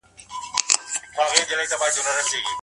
تړاو